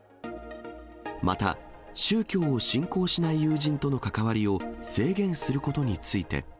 また、宗教を信仰しない友人との関わりを制限することについて。